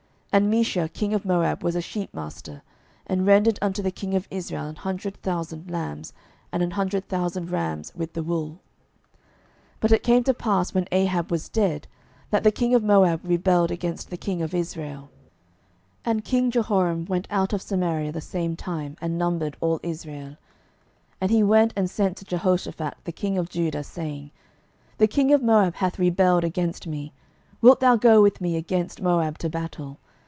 12:003:004 And Mesha king of Moab was a sheepmaster, and rendered unto the king of Israel an hundred thousand lambs, and an hundred thousand rams, with the wool. 12:003:005 But it came to pass, when Ahab was dead, that the king of Moab rebelled against the king of Israel. 12:003:006 And king Jehoram went out of Samaria the same time, and numbered all Israel. 12:003:007 And he went and sent to Jehoshaphat the king of Judah, saying, The king of Moab hath rebelled against me: wilt thou go with me against Moab to battle?